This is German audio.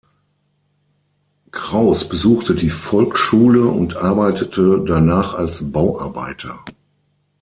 Kraus besuchte die Volksschule und arbeitete danach als Bauarbeiter.